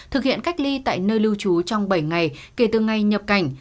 thực hiện cách ly tại nơi lưu trú trong bảy ngày kể từ ngày nhập cảnh